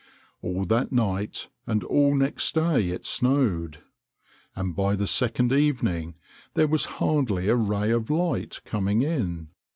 All that night and all next day it snowed, and by the second evening there was hardly a ray of light coming in.